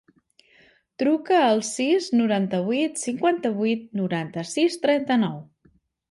Truca al sis, noranta-vuit, cinquanta-vuit, noranta-sis, trenta-nou.